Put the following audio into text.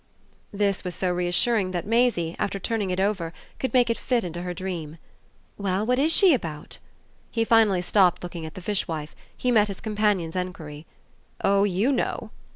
This was so reassuring that Maisie, after turning it over, could make it fit into her dream. "Well, what IS she about?" He finally stopped looking at the fishwife he met his companion's enquiry. "Oh you know!"